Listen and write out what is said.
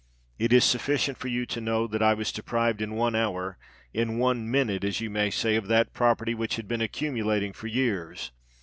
It is sufficient for you to know that I was deprived in one hour—in one minute, as you may say—of that property which had been accumulating for years.